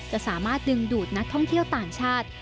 จะสามารถดึงดูดนักท่องเที่ยวต่างชาติ